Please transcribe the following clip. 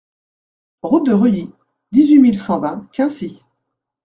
Route de Reuilly, dix-huit mille cent vingt Quincy